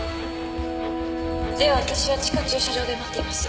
ではわたしは地下駐車場で待っています